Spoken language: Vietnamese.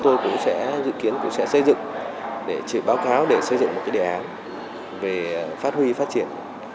tôi cũng sẽ dự kiến cũng sẽ xây dựng để chỉ báo cáo để xây dựng một cái đề án về phát huy phát triển